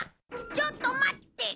ちょっと待って。